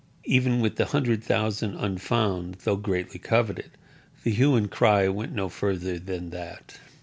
—Even with the hundred thousand unfound, though greatly coveted, the hue and cry went no further than that.